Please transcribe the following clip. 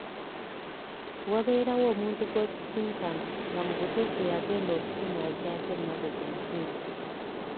Wabeerawo omuntu gw’osisinkana nga mu butuufu y’agenda okukunaazaako ennaku ku mutima.